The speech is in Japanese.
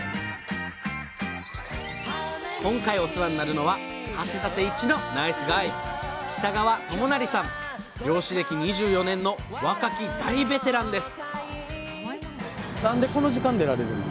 今回お世話になるのは橋立一のナイスガイ漁師歴２４年の若き大ベテランです